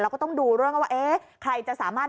ก็ต้องดูเรื่องกันว่าเอ๊ะใครจะสามารถ